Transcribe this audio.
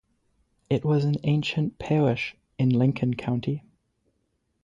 It was an ancient parish in Lincoln County.